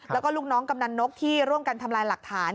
แล้วก็ลูกน้องกำนันนกที่ร่วมกันทำลายหลักฐาน